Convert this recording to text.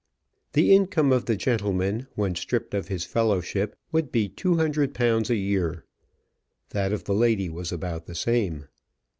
The income of the gentleman when stripped of his fellowship would be two hundred pounds a year; that of the lady was about the same.